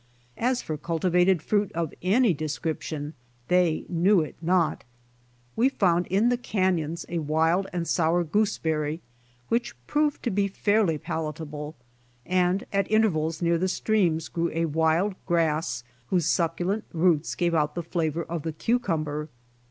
As for cultivated fruit of any description they knew it not. We found in the canyons a wild and sour gooseberry which proved to be fairly palatable, and at intervals near the streams grew a wild grass whose succulent roots gave out the flavor of the cucumber.